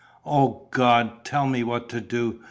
"O God, tell me what to do!"